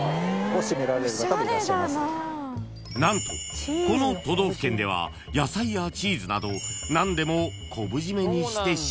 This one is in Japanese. ［何とこの都道府県では野菜やチーズなど何でも昆布締めにしてしまうんです］